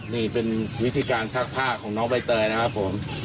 นี่เป็นวิธีการซักผ้าของน้องใบเตยนะครับผม